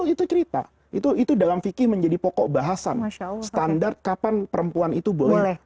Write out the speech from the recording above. itu cerita itu dalam fikir menjadi pokok bahasan masya allah standar kapan perempuan itu boleh